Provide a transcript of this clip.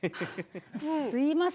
あっすいません。